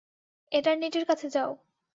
এটারনিটির কাছে যাও।